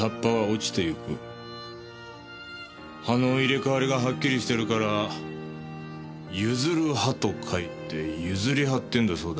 葉の入れ替わりがはっきりしてるから「譲る葉」と書いてユズリハって言うんだそうだ。